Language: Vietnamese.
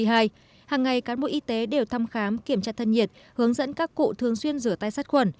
hàng ngày cán bộ y tế đều thăm khám kiểm tra thân nhiệt hướng dẫn các cụ thường xuyên rửa tay sát khuẩn